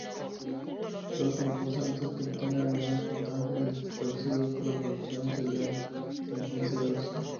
Los concursantes que obtengan menor puntaje al establecido por la producción se irán sentenciados.